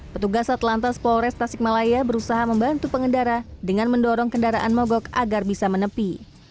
petugas atlantas polres tasikmalaya berusaha membantu pengendara dengan mendorong kendaraan mogok agar bisa menepi